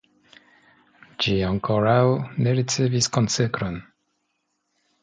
Ĝi ankoraŭ ne ricevis konsekron.